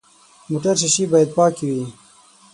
موټر شیشې باید پاکې وي.